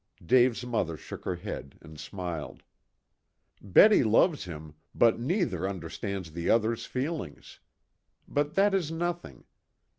Dave's mother shook her head and smiled. "Betty loves him, but neither understands the other's feelings. But that is nothing.